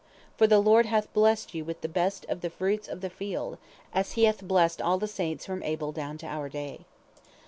For the Lord hath blessed you with the best of the fruits of the field, as he hath blessed all the saints from Abel down to our day.